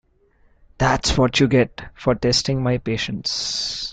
That’s what you get for testing my patience.